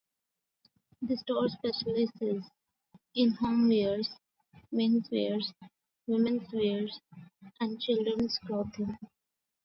The store specialises in homewares, menswear, womenswear and children's clothing.